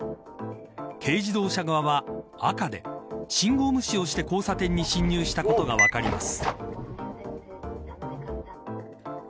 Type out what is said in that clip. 軽自動車側は赤で信号無視をして、交差点に進入したことが分かります。